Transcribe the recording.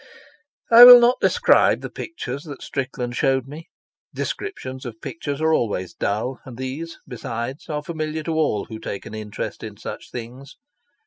I will not describe the pictures that Strickland showed me. Descriptions of pictures are always dull, and these, besides, are familiar to all who take an interest in such things.